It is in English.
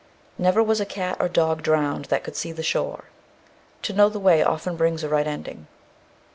Never was cat or dog drowned that could see the shore. To know the way often brings a right ending.